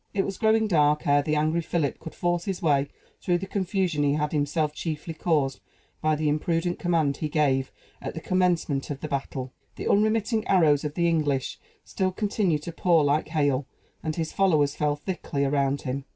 It was growing dark ere the angry Philip could force his way through the confusion he had himself chiefly caused by the imprudent command he gave at the commencement of the battle. The unremitting arrows of the English still continued to pour like hail; and his followers fell thickly around him.